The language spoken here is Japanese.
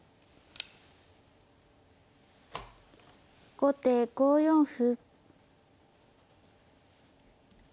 後手５四歩。